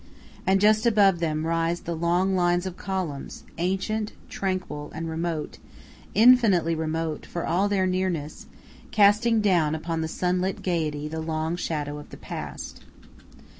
And just above them rise the long lines of columns, ancient, tranquil, and remote infinitely remote, for all their nearness, casting down upon the sunlit gaiety the long shadow of the past.